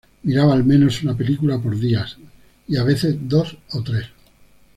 Miraba al menos una película por día, y a veces dos o tres.